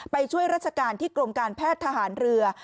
ไปช่วยราชการที่กรมการแพทย์ทหารเรือ